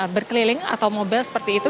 berkeliling atau mobil seperti itu